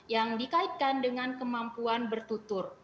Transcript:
yang dikaitkan dengan kemampuan bertutur